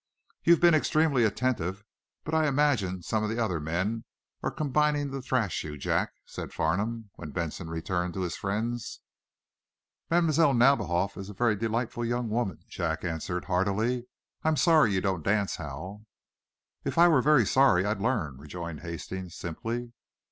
"You've been extremely, attentive, but I, imagine some of the other men are combining to thrash you, Jack," smiled Farnum, when Benson returned to his friends. "Mlle. Nadiboff is a very delightful young woman," Jack answered, heartily. "I'm sorry you don't dance, Hal." "If I were very sorry, I'd learn," rejoined Hastings, simply.